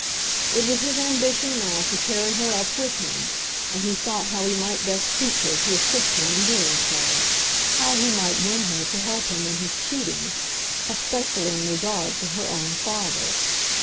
It was his ambition now to carry her up with him, and he thought how he might best teach her to assist him in doing so, how he might win her to help him in his cheating, especially in regard to her own father.